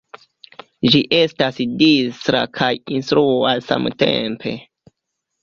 Ĝi estas distra kaj instrua samtempe.